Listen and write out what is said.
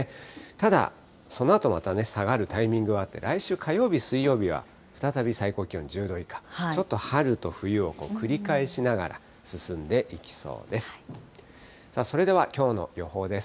ただ、そのあとまたね、下がるタイミングはあって、来週火曜日、水曜日は再び最高気温１０度以下、ちょっと春と冬を繰り返しながら進んでいきそうです。